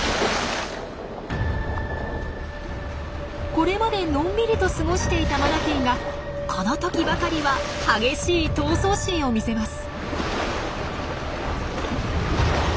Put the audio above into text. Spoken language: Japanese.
これまでのんびりと過ごしていたマナティーがこの時ばかりは激しい闘争心を見せます。